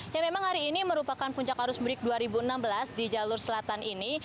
yang memang hari ini merupakan puncak arus break dua ribu enam belas di jalur selatan ini